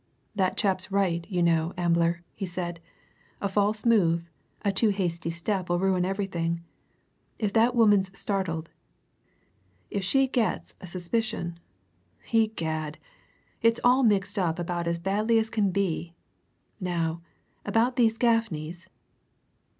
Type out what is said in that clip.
"That chap's right, you know, Ambler," he said. "A false move, a too hasty step'll ruin everything. If that woman's startled if she gets a suspicion egad, it's all mixed up about as badly as can be! Now, about these Gaffneys?"